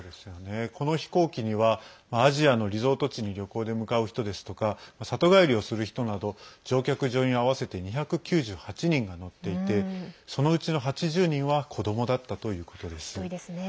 この飛行機にはアジアのリゾート地に旅行で向かう人ですとか里帰りをする人など乗客・乗員合わせて２９８人が乗っていてそのうちの８０人は子どもだったということです。